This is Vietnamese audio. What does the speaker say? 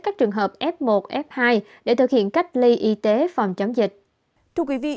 các trường hợp f một f hai để thực hiện cách ly y tế phòng chống dịch